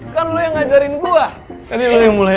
kan lu yang ngajarin gue